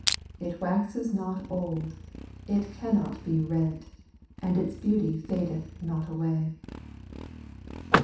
* It waxes not old, it cannot be rent, and its beauty fadeth not away.